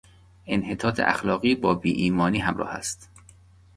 انحطاط اخلاقی با بیایمانی همراه است.